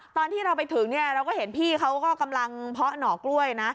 ตอนที่เราไปถึงเนี่ยเราก็เห็นพี่เขาก็กำลังเพาะหน่อกล้วยนะ